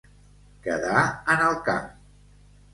Quedar en el camp.